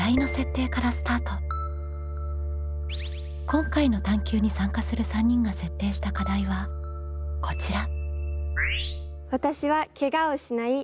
今回の探究に参加する３人が設定した課題はこちら。